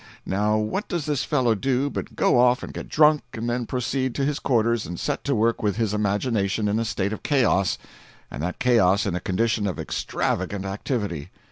Now what does this fellow do but go off and get drunk and then proceed to his quarters and set to work with his imagination in a state of chaos, and that chaos in a condition of extravagant activity.